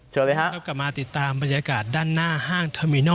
เชิญเลยค่ะกลับกลับมาติดตามบรรยากาศด้านหน้าห้าง